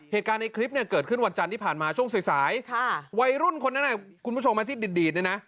เหตุการณ์ในคลิปเนี่ยเกิดขึ้นวันจันทร์ที่ผ่านมาช่วงสายสายค่ะวัยรุ่นคนนั้นคุณผู้ชมที่ดีดเนี่ยนะ